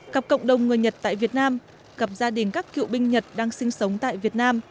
cặp cộng đồng người nhật tại việt nam gặp gia đình các cựu binh nhật đang sinh sống tại việt nam